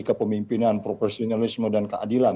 kepemimpinan profesionalisme dan keadilan